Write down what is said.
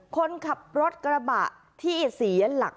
คนขับรถกระบะที่เสียหลัก